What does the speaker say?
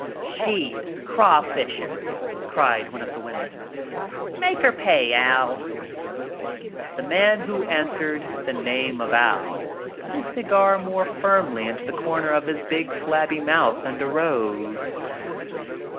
"She is crawfishing," cried one of the women. Make her pay, Al." The man who answered the name of "Al" put 4 his cigar more firmly into the corner of his big flabby mouth and arose.